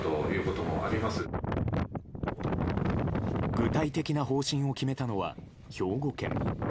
具体的な方針を決めたのは兵庫県。